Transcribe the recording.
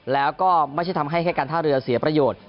แล้วก็ไม่ใช่ทำให้แค่การท่าเรือเสียประโยชน์